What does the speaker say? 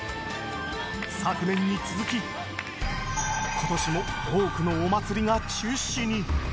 昨年に続き、ことしも多くのお祭りが中止に。